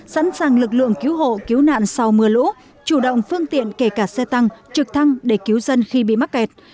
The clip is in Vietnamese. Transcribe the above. sẵn sàng lực lượng cứu hộ cứu nạn sau mưa lũ chủ động phương tiện kể cả xe tăng trực thăng để cứu dân khi bị mắc kẹt